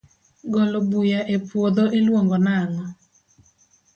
golo buya e puodho i luongo nango?